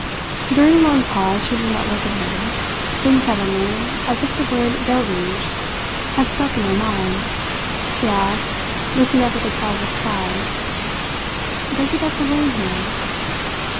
During a long pause she did not look at him. Then suddenly, as if the word "deluge" had stuck in her mind, she asked, looking up at the cloudless sky: "Does it ever rain here?"